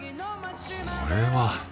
これは！